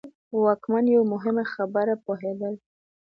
واکمن په یوه مهمه خبره پوهېدل.